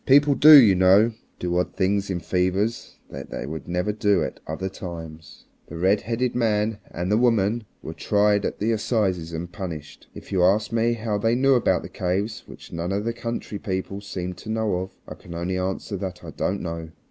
People do, you know, do odd things in fevers that they would never do at other times. The redheaded man and the woman were tried at the assizes and punished. If you ask me how they knew about the caves which none of the country people seemed to know of, I can only answer that I don't know.